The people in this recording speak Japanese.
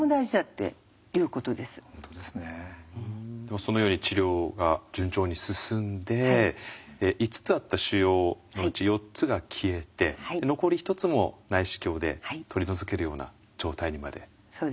そのように治療が順調に進んで５つあった腫瘍のうち４つが消えて残り１つも内視鏡で取り除けるような状態にまで。